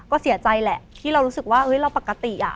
ก็เสียใจแหละที่เรารู้สึกว่าเราปกติ